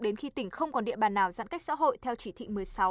đến khi tỉnh không còn địa bàn nào giãn cách xã hội theo chỉ thị một mươi sáu